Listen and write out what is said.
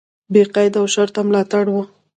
بې قید او شرطه ملاتړ و.